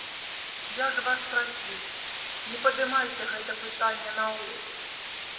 Я ж вас прасіў, не падымайце гэта пытанне наогул!